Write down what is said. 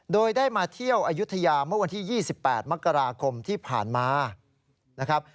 โดยได้มาเที่ยวอายุทยาเมื่อวันที่๒๘มกราคมที่ผ่านมานะครับ